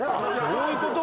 そういうこと？